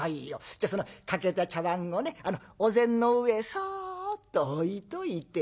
じゃあその欠けた茶碗をねお膳の上へそっと置いといてな。